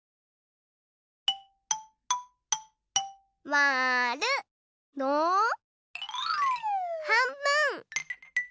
まる。のはんぶん！